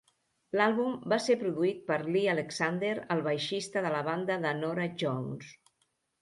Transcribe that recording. L'àlbum va ser produït per Lee Alexander, el baixista de la banda de Norah Jones.